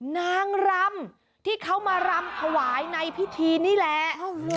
นางรำที่เขามารำถวายในพิธีนี่แหละ